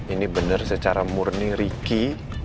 ini bener secara murni riki